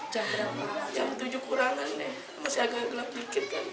jam tujuh kurangan masih agak gelap sedikit